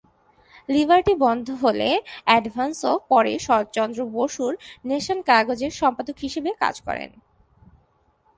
Liberty বন্ধ হলে 'advance' ও পরে শরৎচন্দ্র বসুর 'নেশন' কাগজে সম্পাদক হিসাবে কাজ করেন।